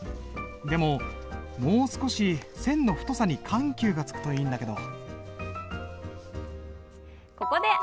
でももう少し線の太さに緩急がつくといいんだけど。